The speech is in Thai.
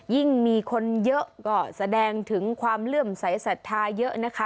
ยิ่งมีคนเยอะก็แสดงถึงความเลื่อมใสสัทธาเยอะนะคะ